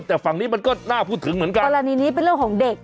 แต่ฝั่งนี้มันก็น่าพูดถึงเหมือนกันกรณีนี้เป็นเรื่องของเด็ก